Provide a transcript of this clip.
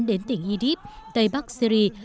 đến tỉnh idib tây bắc syri